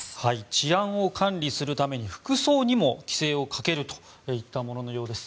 治安を管理するために服装にも規制をかけるといったもののようです。